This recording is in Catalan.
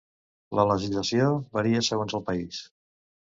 La legislació varia segons el país.